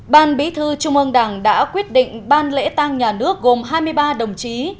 ban bí thư trung ương đảng đã quyết định ban lễ tang nhà nước gồm hai mươi ba đồng chí